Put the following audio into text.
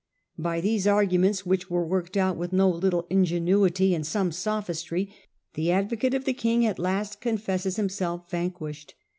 By these arguments, which are worked out with no little ingenuity and some sophistry, the advocate of the king at last confesses himself vanquished.